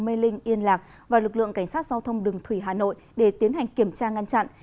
mê linh yên lạc và lực lượng cảnh sát giao thông đường thủy hà nội để tiến hành kiểm tra ngăn chặn